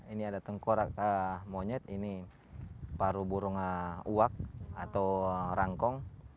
ini ada tengkorak monyet ini paru burung uak atau rangkong